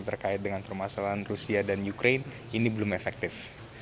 terkait dengan permasalahan rusia dan ukraine ini belum efektif